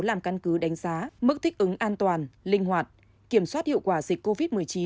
làm căn cứ đánh giá mức thích ứng an toàn linh hoạt kiểm soát hiệu quả dịch covid một mươi chín